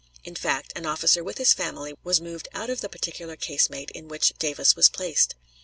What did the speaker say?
In fact, an officer with his family was moved out of the particular casemate in which Davis was placed.